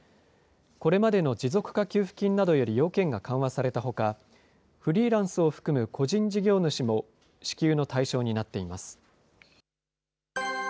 これまでの持続化給付金などより要件が緩和されたほか、フリーランスを含む個人事業主も、支給の対象になっています。